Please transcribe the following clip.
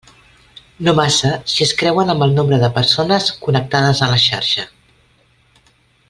No massa si es creuen amb el nombre de persones connectades a la xarxa.